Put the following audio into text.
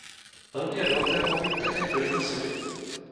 Velmi jedovaté mohou být také glykosidy.